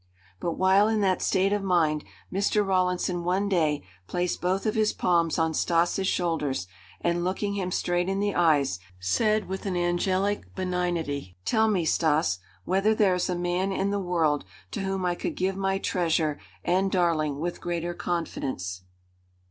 But while in that state of mind, Mr. Rawlinson one day placed both of his palms on Stas' shoulders and, looking him straight in the eyes, said with an angelic benignity: "Tell me, Stas, whether there is a man in the world to whom I could give my treasure and darling with greater confidence?"